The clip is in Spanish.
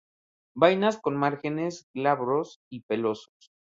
Vainas con márgenes glabros o pelosos.